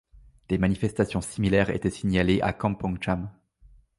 Des manifestations similaires étaient signalées à Kampong Cham.